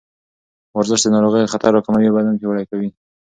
ورزش د ناروغیو خطر راکموي او بدن پیاوړی کوي.